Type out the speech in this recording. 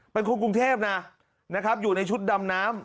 เป็นคนกรุงเทพนะนะครับอยู่ในชุดดำน้ำ